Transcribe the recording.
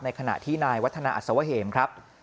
ขณะที่นายวัฒนาอัศวะเหมครับ